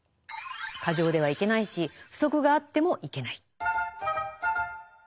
過剰ではいけないし不足があってもいけない。